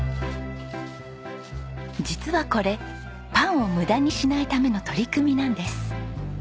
実はこれパンを無駄にしないための取り組みなんです。